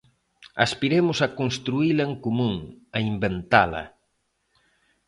Aspiremos a construíla en común, a inventala.